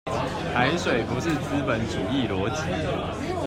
台水不是資本主義邏輯